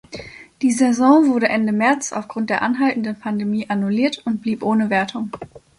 Die Saison wurde Ende März aufgrund der anhaltenden Pandemie annulliert und blieb ohne Wertung.